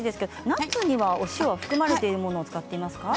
ナッツにはお塩が含まれてるものを使っていますか？